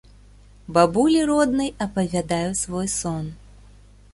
Бабулі роднай апавядаю свой сон.